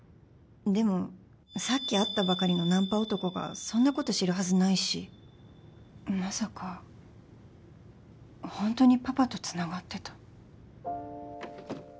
でもさっき会ったばかりのナンパ男がそんなこと知るはずないしまさかホントにパパとつながってた？